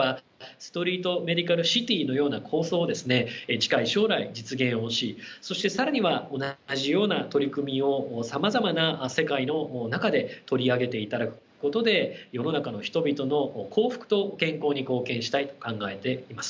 近い将来実現をしそして更には同じような取り組みをさまざまな世界の中で取り上げていただくことで世の中の人々の幸福と健康に貢献したいと考えています。